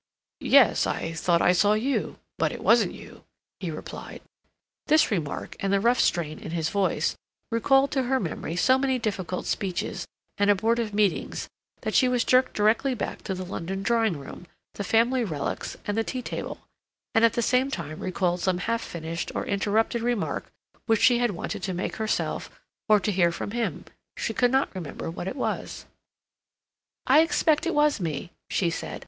"Yes, I thought I saw you—but it wasn't you," he replied. This remark, and the rough strain in his voice, recalled to her memory so many difficult speeches and abortive meetings that she was jerked directly back to the London drawing room, the family relics, and the tea table; and at the same time recalled some half finished or interrupted remark which she had wanted to make herself or to hear from him—she could not remember what it was. "I expect it was me," she said.